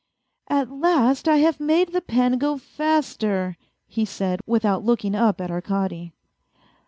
" At last I have made the pen go faster," he said, without looking up at Arkady.